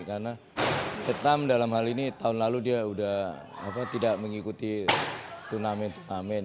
karena vietnam dalam hal ini tahun lalu dia sudah tidak mengikuti tunamen tunamen